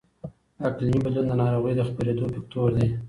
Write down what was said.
اقلیمي بدلون د ناروغۍ د خپرېدو فکتور دی.